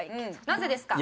なぜですか？